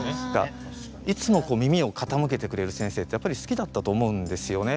いつも耳を傾けてくれる先生ってやっぱり好きだったと思うんですよね。